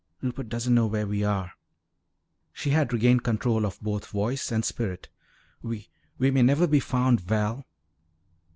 "Rupert doesn't know where we are." She had regained control of both voice and spirit. "We we may never be found, Val."